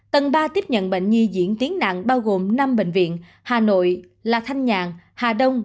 tầng ba tiếp nhận bệnh nhi diễn tiến nặng bao gồm năm bệnh viện hà nội là thanh nhàn hà đông